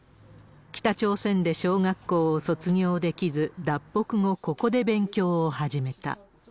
北朝鮮で小学校を卒業できず、脱北後、ここで勉強を始めた。